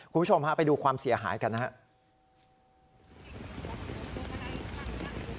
คุณผู้ชมฮะไปดูความเสียหายกันนะครับ